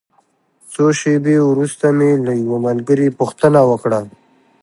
څو شېبې وروسته مې له یوه ملګري پوښتنه وکړه.